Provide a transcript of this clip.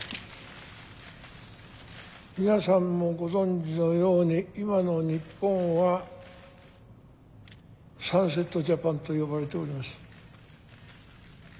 皆さんもご存じのように今の日本はサンセット・ジャパンと呼ばれております。